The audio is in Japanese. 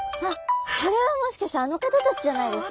これはもしかしてあの方たちじゃないですか？